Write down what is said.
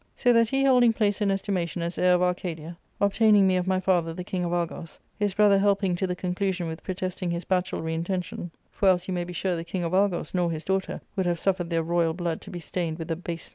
So that he holding place and estimation as heir of Arcadia, obtaining me of my father the king of Argos, his brother helping to the conclusion with protesting his bachelry intention ;t for else you may be sure the king of Argos, nor his daughter, would have suffered their royal blood to be stained with the base name of a sub jection.